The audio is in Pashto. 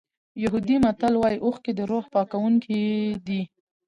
یهودي متل وایي اوښکې د روح پاکوونکي دي.